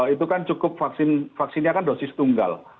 itu kan cukup vaksinnya kan dosis tunggal